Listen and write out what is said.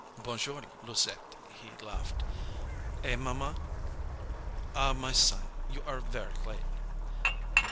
"Bon jour, Louisette," he laughed. "Eh, maman!" "Ah, my son, you are ver' late."